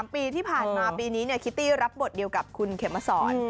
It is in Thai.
ปีที่ผ่านมาปีนี้คิตตี้รับบทเดียวกับคุณเขมสอน